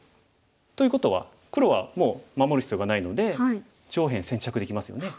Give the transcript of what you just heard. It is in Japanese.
ということは黒はもう守る必要がないので上辺先着できますよね。